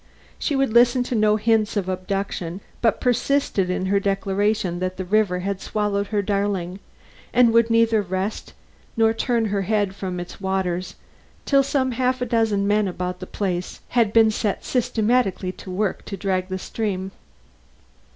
She would listen to no hints of abduction, but persisted in her declaration that the river had swallowed her darling, and would neither rest nor turn her head from its waters till some half a dozen men about the place had been set systematically to work to drag the stream.